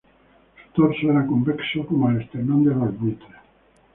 Su torso era convexo como el esternón de los buitres.